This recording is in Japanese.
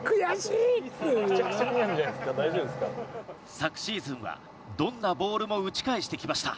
昨シーズンはどんなボールも打ち返してきました。